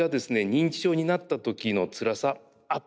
認知症になった時のつらさ頭